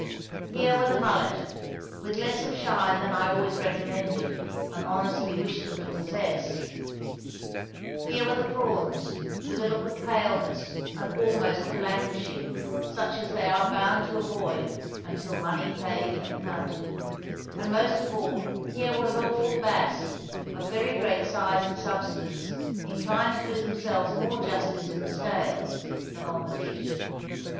Here were the mullet, with less of shine than I always recommended and honestly wish them to possess; here were the prawns, with a look of paleness and almost of languishing, such as they are bound to avoid until money paid and counted; and most of all, here were lawful bass, of very great size and substance, inclined to do themselves more justice in the scales than on the dish.